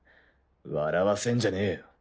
笑わせんじゃねえよ。